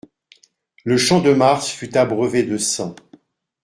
Le Champ-de-Mars fut abreuvé de sang.